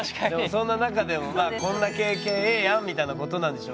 そんな中でもこんな経験ええやんみたいなことなんでしょうね。